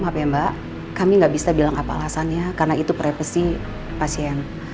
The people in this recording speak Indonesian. maaf ya mbak kami nggak bisa bilang apa alasannya karena itu privacy pasien